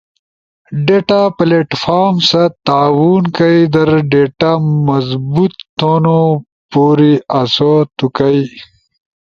ڈیتا پلیٹ فارم ست تعاون کئی در ڈیٹا مضبوط تھونو پوری آسو تو کئی